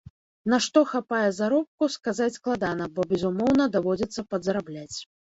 На што хапае заробку, сказаць складана, бо, безумоўна, даводзіцца падзарабляць.